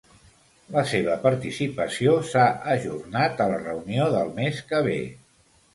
La seva participació s’ha ajornat a la reunió del mes que ve.